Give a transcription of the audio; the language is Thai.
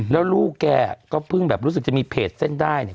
แล้วลูกแกก็เพิ่งแบบรู้สึกจะมีเพจเส้นได้เนี่ย